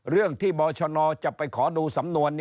เรื่องที่บชนจะไปขอดูสำนวน